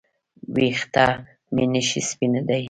ویښته مې نشي سپینېدای